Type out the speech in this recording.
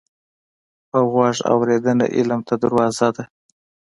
په غوږ اورېدنه علم ته دروازه ده